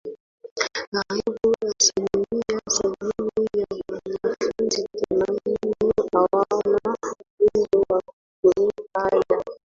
Karibu asilimia sabini ya wanafunzi themanini hawana uwezo wa kulipa ada